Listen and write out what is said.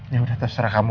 yaudah terserah kamu